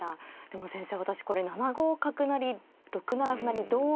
でも先生私これ７五角成６七歩成同玉